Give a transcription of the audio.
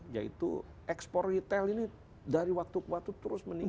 yaitu ekspor retail ini dari waktu ke waktu terus meningkat